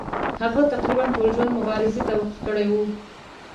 هغه تقریبا ټول ژوند مبارزې ته وقف کړی وو.